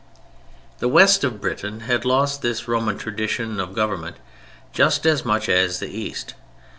The West of Britain had lost this Roman tradition of government just as much as the East.